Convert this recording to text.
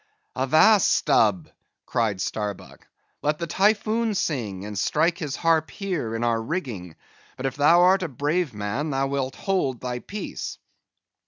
"Avast Stubb," cried Starbuck, "let the Typhoon sing, and strike his harp here in our rigging; but if thou art a brave man thou wilt hold thy peace."